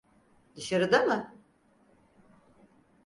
Dışarıda mı?